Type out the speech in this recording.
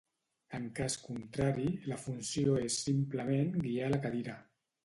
En cas contrari, la funció és simplement guiar la cadira.